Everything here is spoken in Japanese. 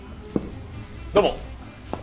どうも。